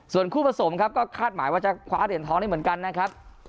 ส่วนคู่ผสมครับก็คาดหมายว่าจะคว้าเหรียญทองได้เหมือนกันนะครับ